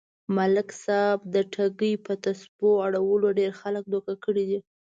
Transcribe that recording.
ملک صاحب د ټگۍ يه تسبو اړولو ډېر خلک دوکه کړي دي.